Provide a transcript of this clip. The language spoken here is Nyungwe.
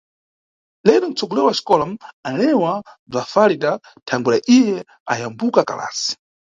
Lero, nʼtsogoleri wa xikola anilewa bza Falidha thangwera iye ayambuka kalasi.